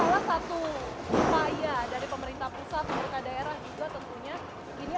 memang kan salah satu upaya dari pemerintah pusat pemerintah daerah juga tentunya